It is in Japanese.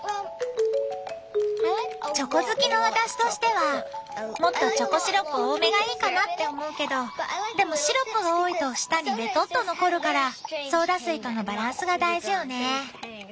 チョコ好きの私としてはもっとチョコシロップ多めがいいかなって思うけどでもシロップが多いと舌にべとっと残るからソーダ水とのバランスが大事よね。